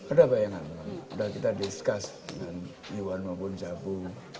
ada bayangan mas udah kita discuss dengan iwan maupun zabu